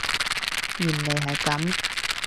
原來係噉